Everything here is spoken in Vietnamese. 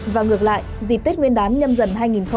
và ngược lại dịp tết nguyên đán nhâm dần hai nghìn hai mươi bốn